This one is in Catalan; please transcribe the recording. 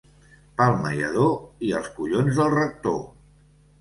Palma i Ador, i els collons del rector.